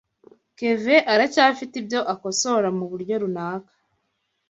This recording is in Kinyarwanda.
Kevin aracyafite ibyo akosora muburyo runaka.